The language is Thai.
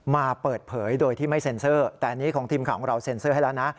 มาเปิดเผยโดยที่ไม่เซ็นเซอร์แต่อันนี้ของทีมข่าวของเราเซ็นเซอร์ให้แล้วนะ